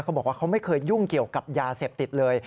เขาบอกว่าเขาไม่เคยยุ่งเกี่ยวกับยาเสพติดเลย